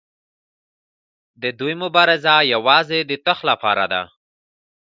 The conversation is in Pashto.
د دوی مبارزه یوازې د تخت لپاره ده.